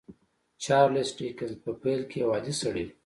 چارليس ډيکنز په پيل کې يو عادي سړی و.